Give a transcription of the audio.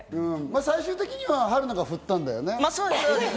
最終的には春菜が振ったんだよね。